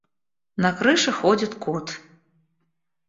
На крыше ходит кот.